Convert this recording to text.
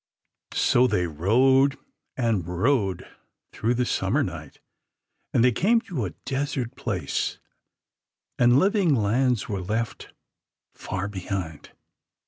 [Illustration: Page 291] So they rode and rode through the summer night, and they came to a desert place, and living lands were left far behind.